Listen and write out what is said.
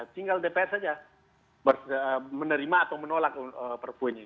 tinggal dpr saja menerima atau menolak perpunya